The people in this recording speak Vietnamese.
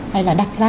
hay là đặt ra